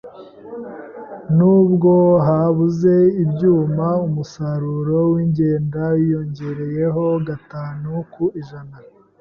Nubwo habuze ibyuma, umusaruro w’inganda wiyongereyeho gatanu ku ijana.